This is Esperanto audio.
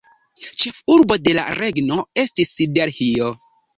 Ĉefurbo de la regno estis Delhio.